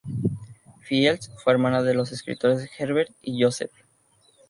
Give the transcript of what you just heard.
Fields fue hermana de los escritores Herbert y Joseph.